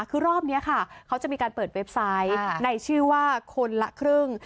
คือรอบนี้ค่ะเขาจะมีการเปิดเว็บไซต์ในชื่อว่าคนละครึ่ง